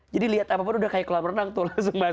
jadi lihat apapun udah kayak kolam renang tuh